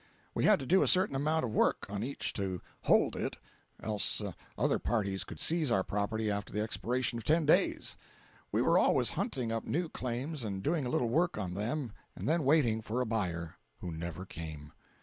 We had to do a certain amount of work on each to "hold" it, else other parties could seize our property after the expiration of ten days. We were always hunting up new claims and doing a little work on them and then waiting for a buyer—who never came.